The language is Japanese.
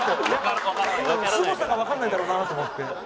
すごさがわからないだろうなと思って。